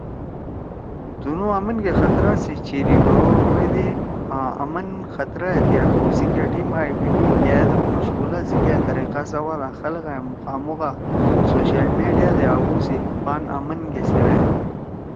تُنُو آمن گے خطرہ سی چیری ہؤدے آں آمن خطرہ ئے تیا کؤ سی کیا ٹیم ائی بی ٹی بأت او مخشُولا سی کیا طریقہ سواد آں خلگا ئے مُخامُخ آں سوشل میڈیا دے آوؤ سی پان آمن گے سیوأد۔